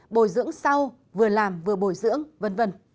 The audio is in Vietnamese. bồi dưỡng sau vừa làm vừa bồi dưỡng v v